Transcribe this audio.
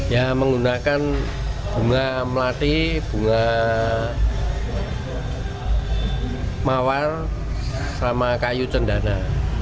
ya menggunakan bunga melati bunga mawar sama kayu cendana